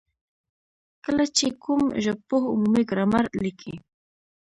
کله چي کوم ژبپوه عمومي ګرامر ليکي،